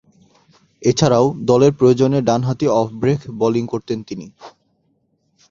এছাড়াও, দলের প্রয়োজনে ডানহাতি অফ ব্রেক বোলিং করতেন তিনি।